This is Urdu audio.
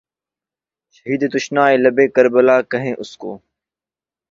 شہیدِ تشنہ لبِ کربلا کہیں اُس کو